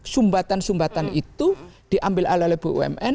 sumbatan sumbatan itu diambil ala bumn